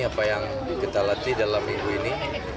apa yang kita latih dalam minggu ini